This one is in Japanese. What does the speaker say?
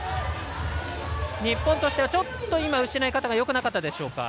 日本としてはちょっと今失い方がよくなかったでしょうか。